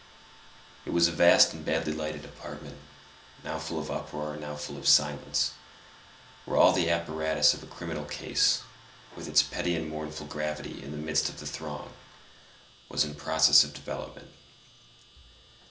It was a vast and badly lighted apartment, now full of uproar, now full of silence, where all the apparatus of a criminal case, with its petty and mournful gravity in the midst of the throng, was in process of development.